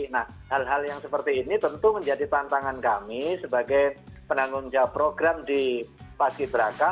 nah hal hal yang seperti ini tentu menjadi tantangan kami sebagai penanggung jawab program di paski beraka